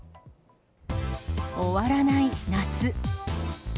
終わらない夏。